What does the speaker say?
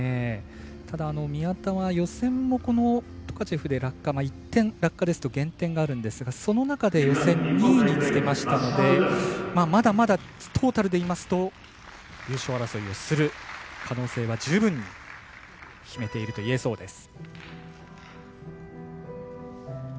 ただ、宮田は予選もトカチェフで落下１点減点あるんですがその中で予選２位につけましたのでまだまだ、トータルでいいますと優勝争いをする可能性は十分に秘めていると言えそうです。